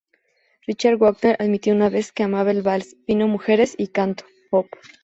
Richard Wagner admitió una vez que amaba el vals "Vino, mujeres y canto", Op.